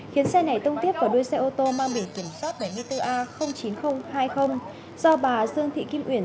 khiến xe này tông tiếp vào đuôi xe ô tô mang biển kiểm soát bảy mươi bốn a chín nghìn hai mươi do bà dương thị kim uyển